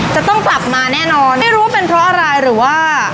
จะต้องกลับมาแน่นอนไม่รู้ว่าเป็นเพราะอะไรหรือว่า